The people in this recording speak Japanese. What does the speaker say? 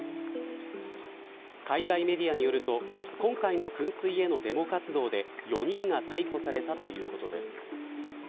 海外メディアによると今回の噴水へのデモ活動で４人が逮捕されたということです。